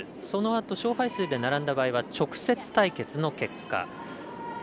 そのあと勝敗数で並んだ場合は直接対決の結果。